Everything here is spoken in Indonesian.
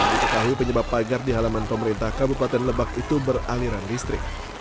diketahui penyebab pagar di halaman pemerintah kabupaten lebak itu beraliran listrik